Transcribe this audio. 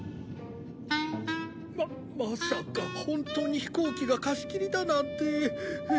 ままさか本当に飛行機が貸し切りだなんて。